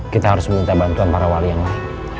kita harus meminta bantuan para wali yang lain